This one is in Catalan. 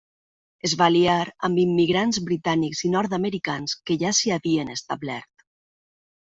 Es va aliar amb immigrants britànics i nord-americans que ja s'hi havien establert.